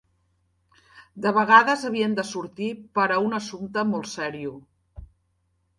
De vegades havien de sortir pera un assumpte molt serio